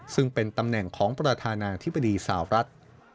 ซึ่งเป็นตำแหน่งของประธานาธิบดีสาวรัฐ